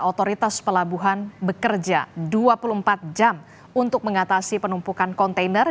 otoritas pelabuhan bekerja dua puluh empat jam untuk mengatasi penumpukan kontainer